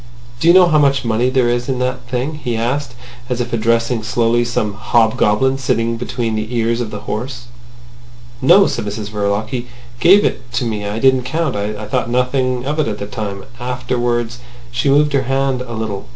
"Do you know how much money there is in that thing?" he asked, as if addressing slowly some hobgoblin sitting between the ears of the horse. "No," said Mrs Verloc. "He gave it to me. I didn't count. I thought nothing of it at the time. Afterwards—" She moved her right hand a little.